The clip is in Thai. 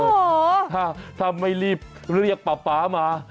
โอ้โหถ้าไม่รีบเรียกป๊าป๊ามา